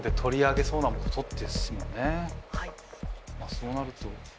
そうなると。